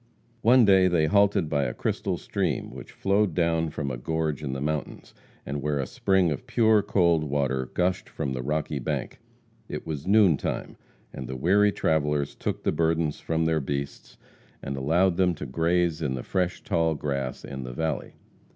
One day they halted by a crystal stream which flowed down from a gorge in the mountains, and where a spring of pure, cold water gushed from the rocky bank. It was noon time, and the weary travellers took the burdens from their beasts, and allowed them to graze in the fresh, tall grass in the valley.